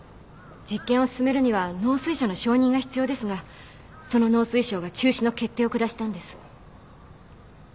実験を進めるには農水省の承認が必要ですがその農水省が中止の決定を下したんです。